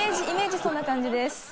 イメージ、そんな感じです。